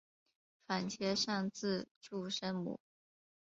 反切上字注声母。